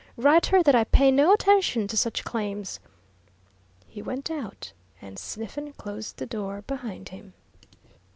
Write her that I pay no attention to such claims." He went out, and Sniffen closed the door behind him.